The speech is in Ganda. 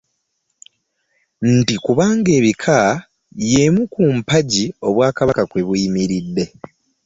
Nti kubanga ebika y'emu ku mpagi Obwakabaka kwe buyimiridde.